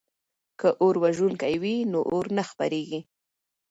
که اوروژونکي وي نو اور نه خپریږي.